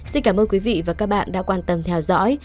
xin cảm ơn quý vị và các bạn đã quan tâm theo dõi